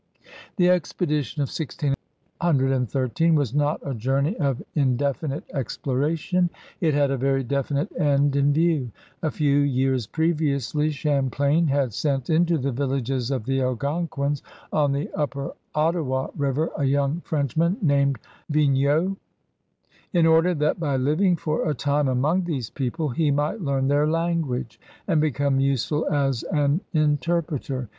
The expedition of 161S was not a journey of indefinite exploration; it had a very definite end in view. A few years previously Champlain had sent into the villages of the Algonquins on the upper Ottawa River a young Frenchman named Vignau, in order that by living for a time among these people he might leam their language and become useful as an interpreter.